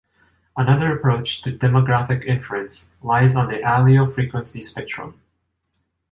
Another approach to demographic inference relies on the allele frequency spectrum.